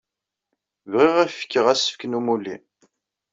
Bɣiɣ ad ak-fkeɣ asefk n umulli.